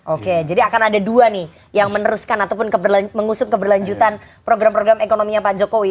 oke jadi akan ada dua nih yang meneruskan ataupun mengusung keberlanjutan program program ekonominya pak jokowi